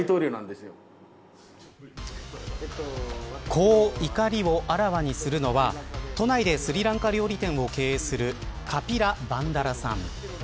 こう、怒りをあらわにするのは都内でスリランカ料理店を経営するカピラ・バンダラさん。